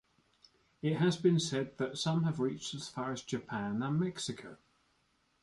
It has been said that some have reached as far as Japan and Mexico.